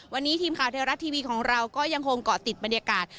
วันนี้ทีมข่าวเทวรัฐทีวีของเราก็ยังคงเกาะติดบรรยากาศ